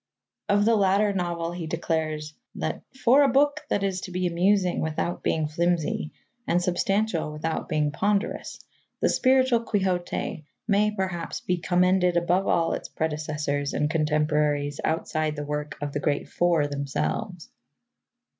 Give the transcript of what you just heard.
Of the latter novel he declares that "for a book that is to be amusing without being flimsy, and substantial without being ponderous, The Spiritual Quixote may, perhaps, be commended above all its predecessors and contemporaries outside the work of the great Four themselves."